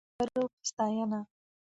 د دلبرو په ستاينه